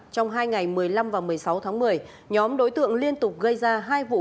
trong hai ngày một mươi năm và một mươi sáu tháng một mươi nhóm đối tượng liên tục gây ra hai vụ